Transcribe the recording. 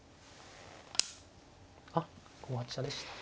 あっ５八飛車でしたね。